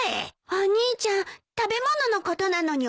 お兄ちゃん食べ物のことなのに怒らないの？